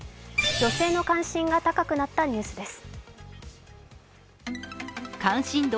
女性の関心が高くなったニュースです。